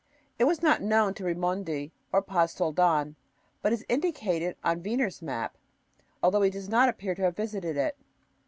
It was not known to Raimondi or Paz Soldan, but is indicated on Wiener's map, although he does not appear to have visited it.